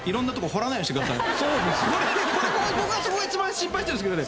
僕はそこが一番心配してるんですけどね。